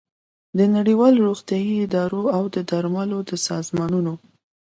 د نړیوالو روغتیايي ادارو او د درملو د سازمانونو